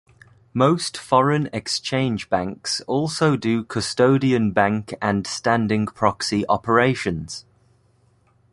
Most foreign exchange banks also do custodian bank and standing proxy operations.